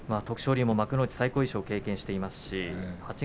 徳勝龍は幕内最高優勝も経験しています。